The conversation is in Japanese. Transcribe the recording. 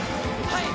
はい！